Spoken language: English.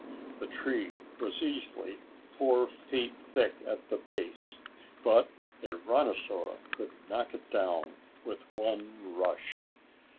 The tree was easily four feet thick at the base, but a rhinosaur could knock it down with one rush.